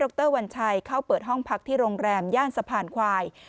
รวัญชัยเข้าเปิดห้องพักที่โรงแรมย่านสะพานควาย